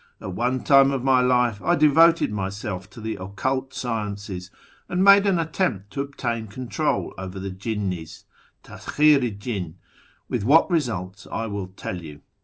At one time of my life I devoted myself to the occult sciences, and made an attempt to obtain control over the jinnis {Taskhir i jinn) , with what results I will tell you.